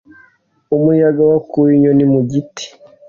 Umuyaga wakuye inyoni mu giti.